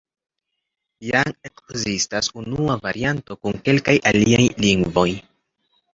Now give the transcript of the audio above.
Jam ekzistas unua varianto kun kelkaj aliaj lingvoj.